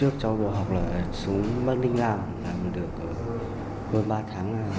trong buổi học chúng tôi bắt định làm làm được hơn ba tháng